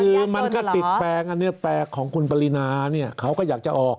คือมันก็ติดแปลงอันนี้แปลงของคุณปรินาเนี่ยเขาก็อยากจะออก